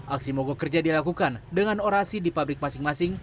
aksi mogok kerja dilakukan dengan orasi di pabrik masing masing